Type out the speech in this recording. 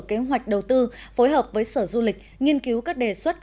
kế hoạch đầu tư phối hợp với sở du lịch nghiên cứu các đề xuất